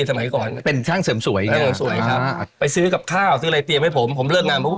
ตอนนี้ก็กลายเป็นร้านที่ใหญ่โตมาก